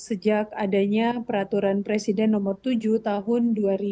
sejak adanya peraturan presiden nomor tujuh tahun dua ribu dua puluh